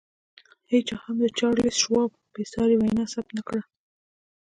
هېچا هم د چارلیس شواب بې ساري وینا ثبت نه کړه